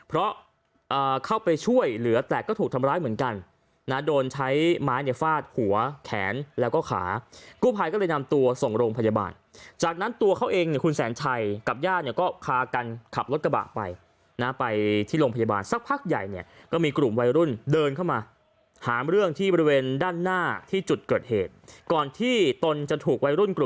เพราะเข้าไปช่วยเหลือแต่ก็ถูกทำร้ายเหมือนกันนะโดนใช้ไม้เนี่ยฟาดหัวแขนแล้วก็ขากู้ภัยก็เลยนำตัวส่งโรงพยาบาลจากนั้นตัวเขาเองเนี่ยคุณแสนชัยกับญาติเนี่ยก็พากันขับรถกระบะไปนะไปที่โรงพยาบาลสักพักใหญ่เนี่ยก็มีกลุ่มวัยรุ่นเดินเข้ามาหาเรื่องที่บริเวณด้านหน้าที่จุดเกิดเหตุก่อนที่ตนจะถูกวัยรุ่น